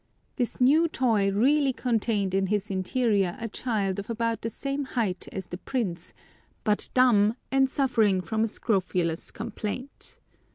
This new toy really contained in its interior a child of about the same height as the prince, but dumb, and suffering from a scrofulous complaint.